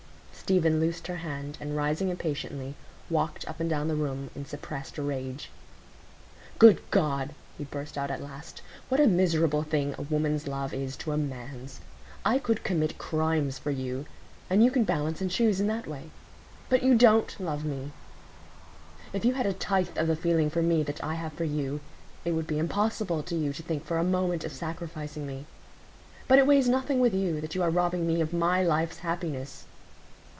Stephen loosed her hand, and rising impatiently, walked up and down the room in suppressed rage. "Good God!" he burst out at last, "what a miserable thing a woman's love is to a man's! I could commit crimes for you,—and you can balance and choose in that way. But you don't love me; if you had a tithe of the feeling for me that I have for you, it would be impossible to you to think for a moment of sacrificing me. But it weighs nothing with you that you are robbing me of my life's happiness."